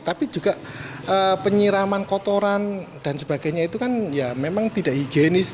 tapi juga penyiraman kotoran dan sebagainya itu kan ya memang tidak higienis